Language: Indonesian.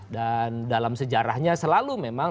dan dalam sejarahnya selalu memang